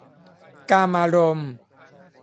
กามารมณ์